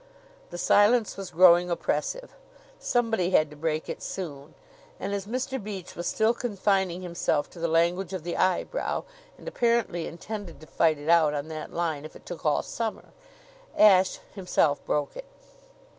The silence was growing oppressive. Somebody had to break it soon. And as Mr. Beach was still confining himself to the language of the eyebrow and apparently intended to fight it out on that line if it took all Summer, Ashe himself broke it.